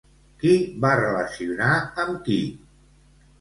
Qui va relacionar amb qui?